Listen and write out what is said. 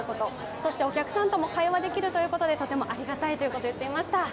そしてお客さんとも会話できるということでとてもありがたいということを言っていました。